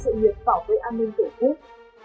và sự nghiệp bảo vệ an ninh tổ quốc